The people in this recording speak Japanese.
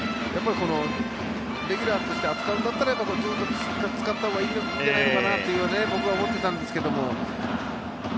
レギュラーとして扱うんだったらずっと使ったほうがいいんじゃないのかなと僕は思っていたんですけども。